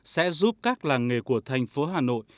sẽ giúp các làng nghề của thành phố hà nội